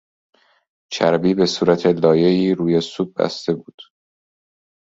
چربی به صورت لایهای روی سوپ بسته بود.